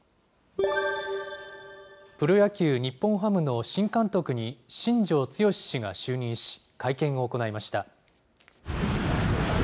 プロ野球・日本ハムの新監督に新庄剛志氏が就任し、会見を行いました。